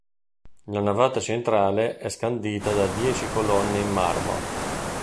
La navata centrale è scandita da dieci colonne in marmo.